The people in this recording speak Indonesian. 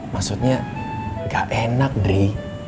maksudnya gak enak indri